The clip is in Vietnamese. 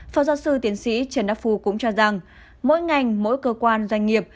phó giáo sư tiến sĩ trần đắc phu cũng cho rằng mỗi ngành mỗi cơ quan doanh nghiệp